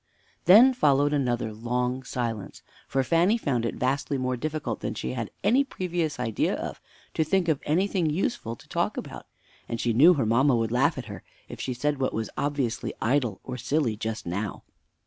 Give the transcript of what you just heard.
Then followed another long silence; for Fanny found it vastly more difficult than she had any previous idea of, to think of anything useful to talk about; and she knew her mamma would laugh at her if she said what was obviously idle or silly, just now.